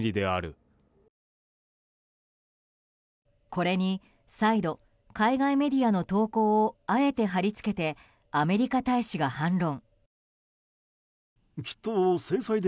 これに、再度海外メディアの投稿をあえて貼り付けてアメリカ大使が反論。